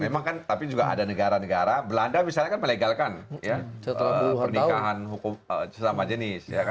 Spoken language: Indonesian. memang kan tapi juga ada negara negara belanda misalnya kan melegalkan pernikahan hukum sesama jenis